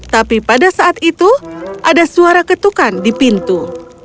tapi pada saat itu ada suara ketukan di pintu